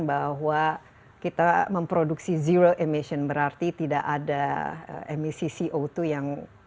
bahwa kita memproduksi zero emission berarti tidak ada emisi co dua yang